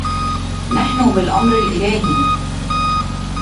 نحن بالأمر الإلهي